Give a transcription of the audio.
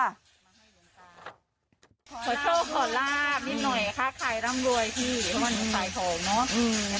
ขอโชคขอลาบนิดหน่อยค่ะใครร่ำรวยที่วันนี้ใส่ของเนอะ